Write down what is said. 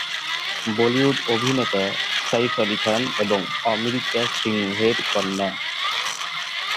বলিউড অভিনেতা সাইফ আলি খান এবং অমৃতা সিংয়ের কন্যা।